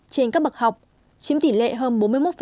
trên các bậc học chiếm tỷ lệ hơn bốn mươi một